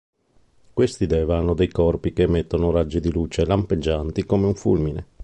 Questi deva hanno dei corpi che emettono raggi di luce lampeggianti come un fulmine.